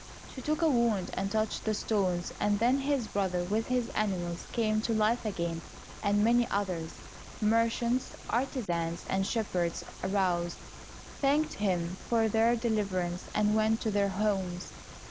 She took a wand and touched the stones, and then his brother with his animals came to life again, and many others, merchants, artizans, and shepherds, arose, thanked him for their deliverance, and went to their homes.